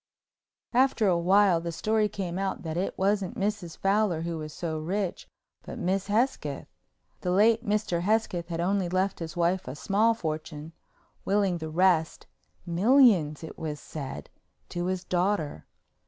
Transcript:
After a while the story came out that it wasn't Mrs. Fowler who was so rich but Miss Hesketh. The late Mr. Hesketh had only left his wife a small fortune, willing the rest—millions, it was said—to his daughter.